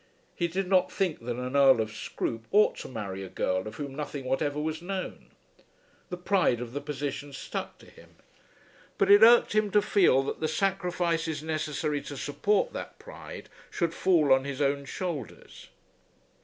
He did not think that an Earl of Scroope ought to marry a girl of whom nothing whatever was known. The pride of the position stuck to him; but it irked him to feel that the sacrifices necessary to support that pride should fall on his own shoulders.